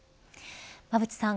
馬渕さん